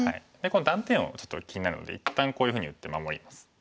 この断点をちょっと気になるので一旦こういうふうに打って守ります。